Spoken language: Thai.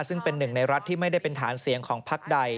ซึ่งเป็นหนึ่งในรัฐที่ไม่ได้เป็นฐานเสียงของพักใด